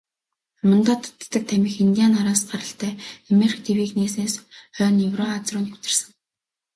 Амандаа татдаг тамхи индиан нараас гаралтай, Америк тивийг нээснээс хойно Еврази руу нэвтэрсэн.